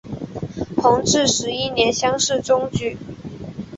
弘治十一年乡试中举。